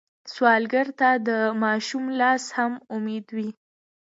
سوالګر ته د ماشوم لاس هم امید وي